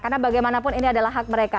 karena bagaimanapun ini adalah hak mereka